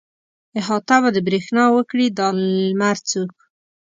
احاطه به د برېښنا وکړي د لمر څوک.